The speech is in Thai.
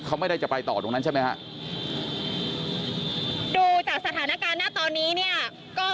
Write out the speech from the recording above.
เขาไม่ได้จะไปต่อตรงนั้นใช่ไหมฮะดูจากสถานการณ์หน้าตอนนี้เนี่ยก็